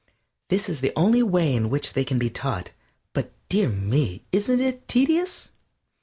This is the only way in which they can be taught. But, dear me, isn't it tedious?